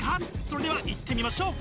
それではいってみましょう！